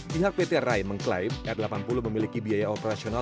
pihak pt rai mengklaim r delapan puluh memiliki biaya operasional